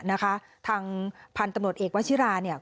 นะคะทางพันธุ์ตำรวจเอกวชิราเนี่ย